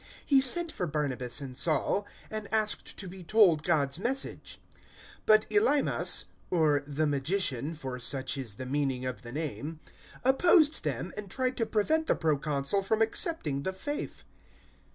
He sent for Barnabas and Saul, and asked to be told God's Message. 013:008 But Elymas (or `the Magician,' for such is the meaning of the name) opposed them, and tried to prevent the Proconsul from accepting the faith.